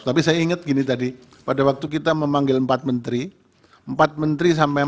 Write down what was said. tapi saya ingat gini tadi pada waktu kita memanggil empat menteri empat menteri sampai empat belas